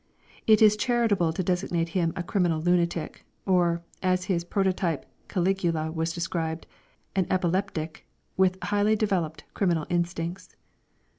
It is charitable to designate him a criminal lunatic, or, as his prototype Caligula was described, an epileptic, with highly developed criminal instincts.